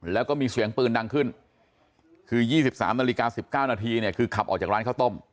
แล้วก็มีเสียงปืนดังขึ้นคือ๒๓นาฬิกา๑๙นาทีเนี่ยคือขับออกจากร้านข้าวต้ม